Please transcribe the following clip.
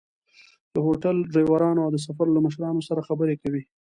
له هوټل، ډریورانو او د سفر له مشرانو سره خبرې کوي.